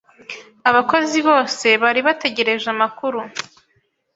Abakozi bose bari bategereje amakuru.